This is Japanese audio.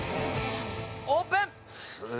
オープン！